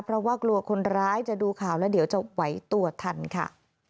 เพราะว่ากลัวคนร้ายจะดูข่าวแล้วเดี๋ยวจะไหวตัวทันค่ะ